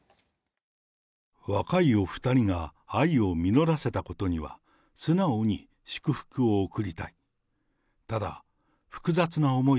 若いお２人が愛を実らせたことには、素直に祝福を送りたい。